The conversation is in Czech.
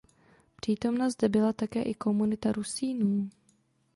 Přítomna zde byla také i komunita Rusínů.